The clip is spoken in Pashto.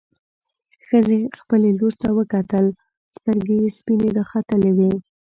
ښځې خپلې لور ته وکتل، سترګې يې سپينې راختلې وې.